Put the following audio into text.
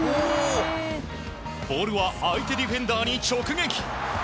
ボールは相手ディフェンダーに直撃！